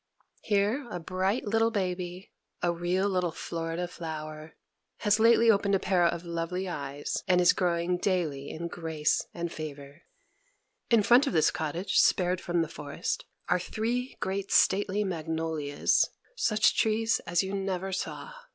Here a bright little baby a real little Florida flower has lately opened a pair of lovely eyes, and is growing daily in grace and favor. In front of this cottage, spared from the forest, are three great stately magnolias, such trees as you never saw.